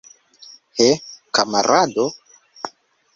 He, kamarado!